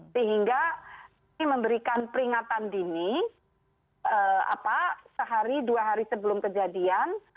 sehingga ini memberikan peringatan dini sehari dua hari sebelum kejadian